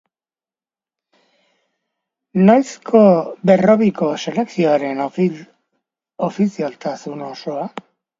Noizko euskal selekzioaren ofizialtasun osoa?